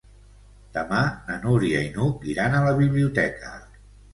Demà na Núria i n'Hug iran a la biblioteca.